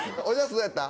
どうやった？